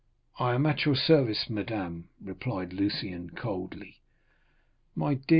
"I am at your service, madame," replied Lucien coldly. "My dear M.